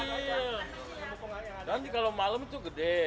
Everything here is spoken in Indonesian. nanti kalau malam itu gede